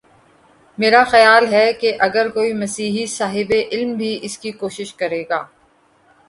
میرا خیال ہے کہ اگر کوئی مسیحی صاحب علم بھی اس کی کوشش کرے گا۔